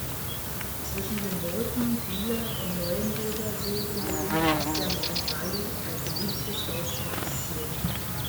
Zwischen dem Murten-, Bieler- und Neuenburgersee gelegen, ist der Mont Vully ein beliebtes Ausflugsziel.